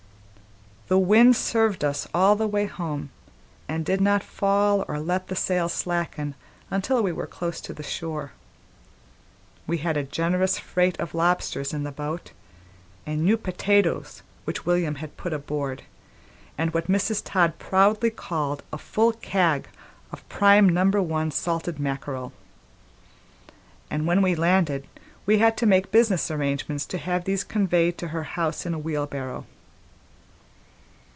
The wind served us all the way home, and did not fall or let the sail slacken until we were close to the shore. We had a generous freight of lobsters in the boat, and new potatoes which William had put aboard, and what Mrs. Todd proudly called a full "kag" of prime number one salted mackerel; and when we landed we had to make business arrangements to have these conveyed to her house in a wheelbarrow.